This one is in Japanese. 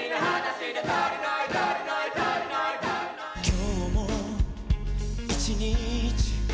「今日も１日」